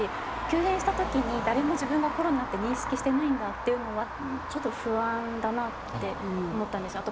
急変した時に誰も自分がコロナって認識してないんだっていうのはちょっと不安だなって思ったんですよ。